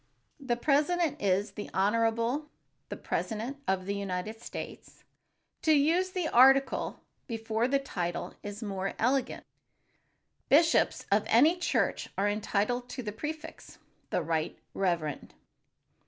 The president is "The Honorable, the President of the United States." To use the article before the title is more elegant. Bishops of any church are entitled to the prefix, "The Right Reverend."